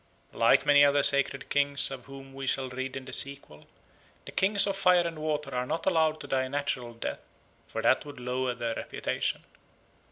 Like many other sacred kings, of whom we shall read in the sequel, the Kings of Fire and Water are not allowed to die a natural death, for that would lower their reputation.